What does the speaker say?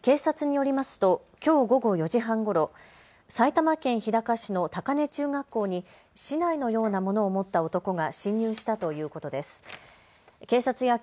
警察によりますときょう午後４時半ごろ、埼玉県日高市の高根中学校に竹刀のようなものを持った男が侵入したということです。